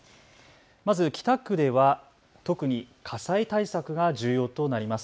まず北区では特に火災対策が重要となります。